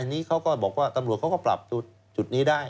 อันนี้เขาก็บอกว่าตำรวจเขาก็ปรับจุดนี้ได้